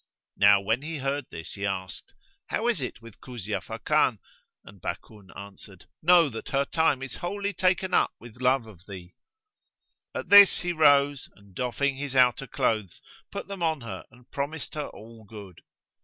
Now when he heard this he asked, "How is it with Kuzia Fakan?"; and Bakun answered, "Know that her time is wholly taken up with love of thee." At this he rose and doffing his outer clothes put them on her and promised her all good.